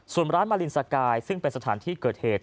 ส่วนร้านมารินสกายซึ่งเป็นสถานที่เกิดเหตุ